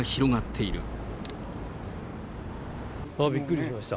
びっくりしました。